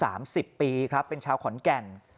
อายุ๓๐ปีครับเป็นชาวขอนแก่น